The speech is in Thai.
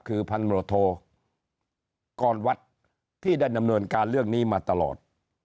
คือพันรวโทกรวัตรที่ได้ดำเนินการเรื่องนี้มาตลอด